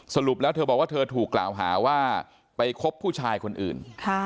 สรุปแล้วเธอบอกว่าเธอถูกกล่าวหาว่าไปคบผู้ชายคนอื่น